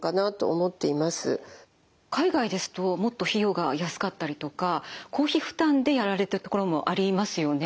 海外ですともっと費用が安かったりとか公費負担でやられてる所もありますよね。